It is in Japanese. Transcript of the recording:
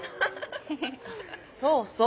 そうそう。